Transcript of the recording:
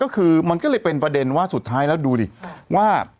ก็คือมันก็เลยเป็นประเด็นว่าสุดท้ายแล้วดูดิว่า